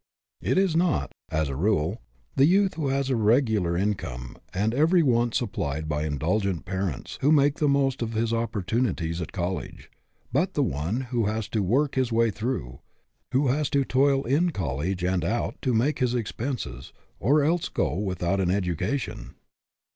It is not, as a rule, the youth who has a regular income and every want supplied by indulgent parents who makes the most of his opportuni ties at college, but the one who has to work his way through, who has to toil in college and 244 GETTING AWAY FROM POVERTY out to make his expenses, or else go without an education.